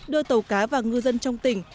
đưa tàu cá và ngư dân trong tỉnh